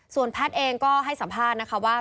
ส่วนแพทย์เองก็ให้สัมภาษณ์นะคะว่า